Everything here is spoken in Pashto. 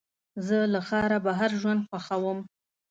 زه له ښاره بهر ژوند خوښوم.